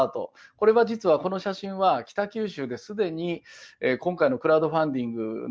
これは実はこの写真は北九州で既に今回のクラウドファンディングの中でですね